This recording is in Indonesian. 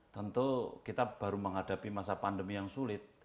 tentu kita baru menghadapi masa pandemi yang sulit